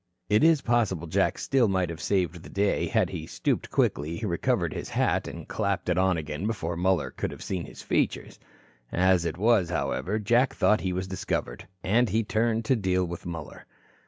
It is possible Jack still might have saved the day, had he stooped quickly, recovered his hat and clapped it on again before Muller could have seen his features. As it was, however, Jack thought he was discovered. And he turned to deal with Muller.